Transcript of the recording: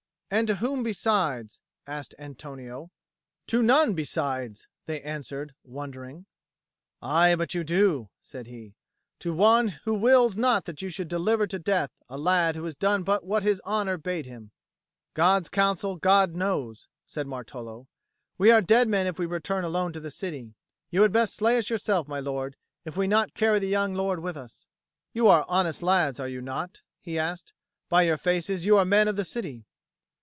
"And to whom besides?" asked Antonio. "To none besides," they answered, wondering. "Aye, but you do," said he. "To One who wills not that you should deliver to death a lad who has done but what his honour bade him." "God's counsel God knows," said Martolo. "We are dead men if we return alone to the city. You had best slay us yourself, my lord, if we may not carry the young lord with us." "You are honest lads, are you not?" he asked. "By your faces, you are men of the city."